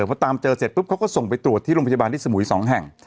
พอตามเจอเสร็จปุ๊บเขาก็ส่งไปตรวจที่โรงพยาบาลที่สมุย๒แห่ง